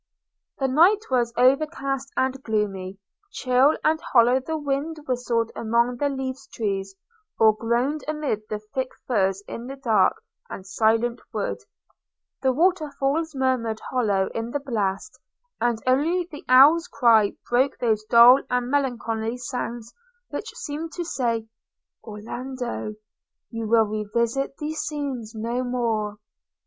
The night was overcast and gloomy; chill and hollow the wind whistled among the leafless trees, or groaned amid the thick firs in the dark and silent wood; – the water falls murmured hollow in the blast, and only the owl's cry broke those dull and melancholy sounds which seemed to say – 'Orlando, you will revisit these scenes no more!'